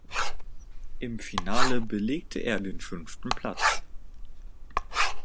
Im Finale belegte er den fünften Platz.